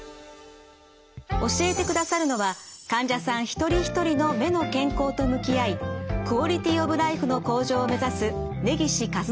教えてくださるのは患者さん一人一人の目の健康と向き合いクオリティオブライフの向上を目指す根岸一乃さんです。